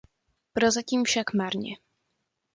Prozatím však marně.